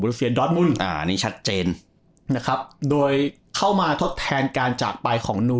บริษัทอ่านี่ชัดเจนนะครับโดยเข้ามาทดแทนการจากไปของ